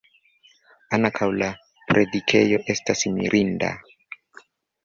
Ankaŭ la predikejo estas mirinda.